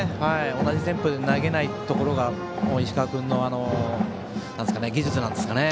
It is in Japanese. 同じテンポで投げないところが石川君の技術ですかね。